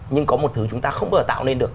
nhưng có một thứ chúng ta không bao giờ tạo nên được